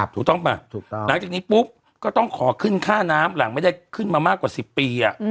ถูกต้องป่ะถูกต้องหลังจากนี้ปุ๊บก็ต้องขอขึ้นค่าน้ำหลังไม่ได้ขึ้นมามากกว่า๑๐ปี